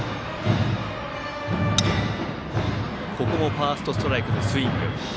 ファーストストライクをスイング。